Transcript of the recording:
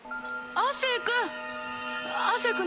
亜生君！